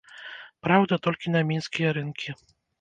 Праўда, толькі на мінскія рынкі.